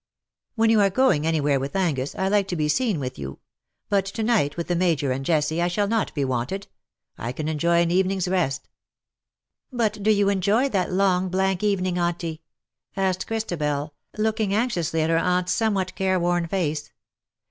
" When you are goiog anywhere with Angus, I like to be seen with you ; but to night, with the Major and Jessie, I shall not be wanted. I can enjoy an evening^s rest." ^^But do you enjoy that long, blank evening, Auntie ?■" asked Christabel, looking anxiously at her aunf's somewhat careworn face.